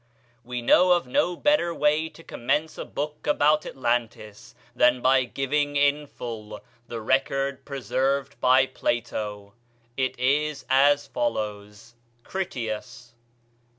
We know of no better way to commence a book about Atlantis than by giving in full the record preserved by Plato. It is as follows: Critias.